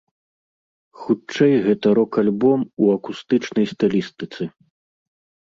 Хутчэй гэта рок-альбом у акустычнай стылістыцы.